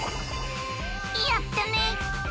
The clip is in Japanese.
やったね！